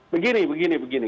begini begini begini